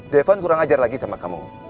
devan kurang ajar lagi sama kamu